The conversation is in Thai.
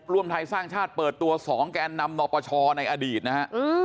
รวมไทยสร้างชาติเปิดตัว๒แกนนำนปชในอดีตนะฮะ